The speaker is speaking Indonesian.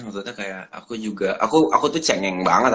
maksudnya kayak aku juga aku tuh cengeng banget